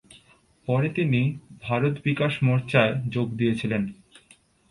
পরে তিনি ভারত বিকাশ মোর্চায় যোগ দিয়েছিলেন।